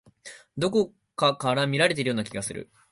どこかから見られているような気がする。